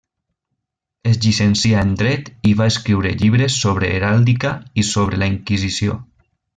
Es llicencià en dret i va escriure llibres sobre heràldica i sobre la inquisició.